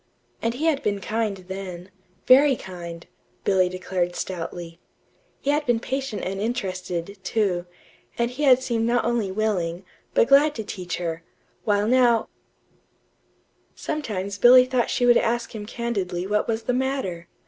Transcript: And he had been kind then very kind, Billy declared stoutly. He had been patient and interested, too, and he had seemed not only willing, but glad to teach her, while now Sometimes Billy thought she would ask him candidly what was the matter.